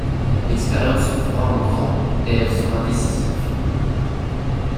L’expérience se fera en grand, et elle sera décisive.